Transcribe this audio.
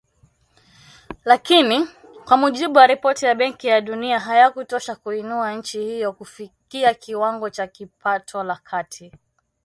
Lakini, kwa mujibu wa ripoti ya Benki ya Dunia, hayakutosha kuiinua nchi hiyo kufikia kiwango cha kipato la kati.